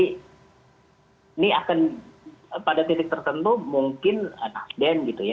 ini akan pada titik tertentu mungkin nasdem gitu ya